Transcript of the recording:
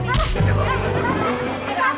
kamu jangan jatuh tanah saya